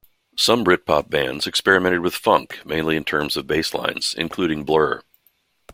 Some Britpop bands experimented with funk, mainly in terms of bass lines, including Blur.